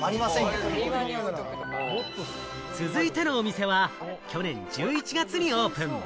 続いてのお店は去年１１月にオープン。